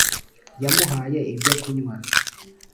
yamuhaye ibyokunywa .